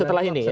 setelah ini ya